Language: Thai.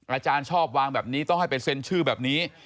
อาจารย์ชอบวางแบบนี้ต้องให้ไปเซ็นชื่อแบบนี้